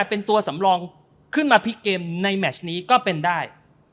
เป็นตัวสำรองขึ้นมาพลิกเกมน์ได้